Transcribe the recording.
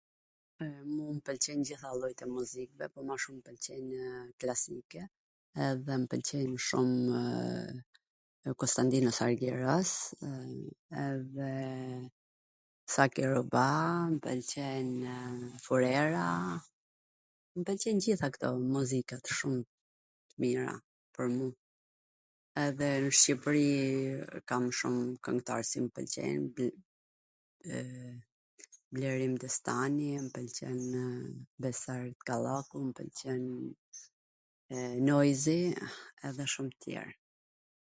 Mu m pwlqen t gjitha llojet e muzikave, po ma shum m pwlqenw klasikja, edhe mw pwlqen shumw Kostandin Kalogeras edhe Saki Ruva, mw pwlqenw Furera, mw pwlqejn t gjitha kto muzikat shumt mira, pwr mu, edhe nw Shqipri kam shum kwngtar qw mw pwlqejn, eee Blerim Destani, m pwlqenw Besar Kallaku, m pwlqen Noizi, edhe shum te tjer.